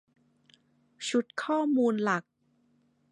ชุดข้อมูลหลัก